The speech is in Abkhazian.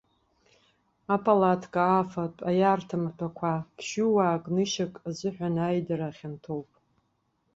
Апалатка, афатә, аиарҭа маҭәақәа, ԥшьҩы-уаак нышьак азыҳәан еидара хьанҭоуп.